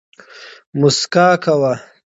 موسکا کوه